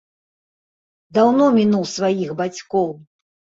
Даўно мінуў сваіх бацькоў.